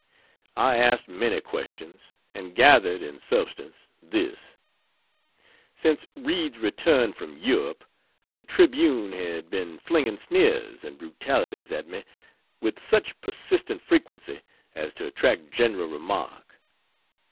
I asked many questions, and gathered, in substance, this: Since Reid's return from Europe, the Tribune had been flinging sneers and brutalities at me with such persistent frequency "as to attract general remark."